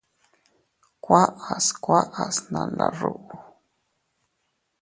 Kuaʼas kuaʼas nnanda ruú.